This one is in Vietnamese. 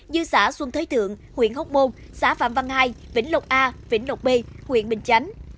như xã xuân thới thượng huyện hóc môn xã phạm văn hai vĩnh lộc a vĩnh lộc b huyện bình chánh